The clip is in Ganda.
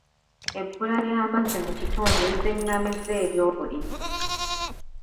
Ebbula ly'amazzi mu kitundu lizingamizza ebyobulimi.